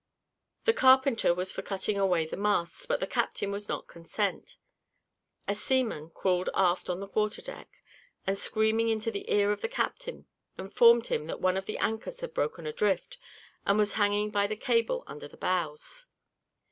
The carpenter was for cutting away the masts, but the captain would not consent. A seaman crawled aft on the quarter deck, and screaming into the ear of the captain, informed him that one of the anchors had broke adrift, and was hanging by the cable under the bows.